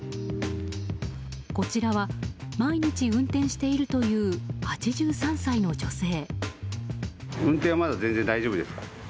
こちらは毎日運転しているという８３歳の女性。